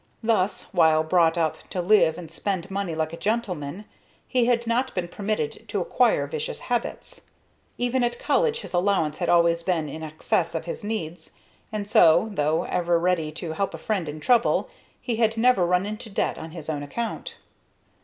Thus, while brought up to live and spend money like a gentleman, he had not been permitted to acquire vicious habits. Even at college his allowance had always been in excess of his needs, and so, though ever ready to help a friend in trouble, he had never run into debt on his own account.